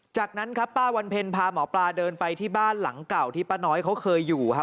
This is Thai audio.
จากนั้นครับป้าวันเพ็ญพาหมอปลาเดินไปที่บ้านหลังเก่าที่ป้าน้อยเขาเคยอยู่ครับ